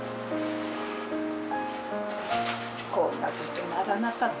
こんなことならなかった